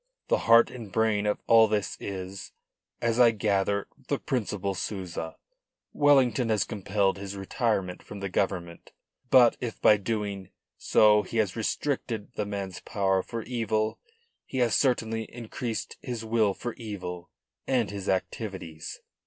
The heart and brain of all this is as I gather the Principal Souza. Wellington has compelled his retirement from the Government. But if by doing so he has restricted the man's power for evil, he has certainly increased his will for evil and his activities.